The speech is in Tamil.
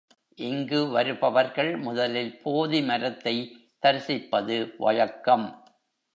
இங்கு வருபவர்கள் முதலில் போதி மரத்தை தரிசிப்பது வழக்கம்.